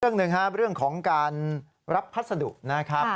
เรื่องหนึ่งครับเรื่องของการรับพัสดุนะครับ